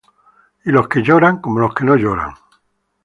Y los que lloran, como los que no lloran;